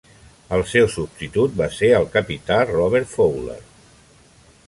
El seu substitut va ser el capità Robert Fowler.